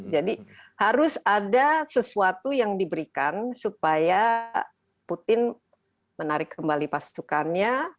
jadi harus ada sesuatu yang diberikan supaya putin menarik kembali pasukannya